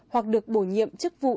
hoặc được bổ nhiệm chức vụ